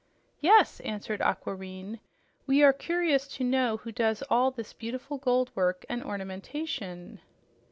"Yes," answered Aquareine. "We are curious to know who does all this beautiful gold work and ornamentation."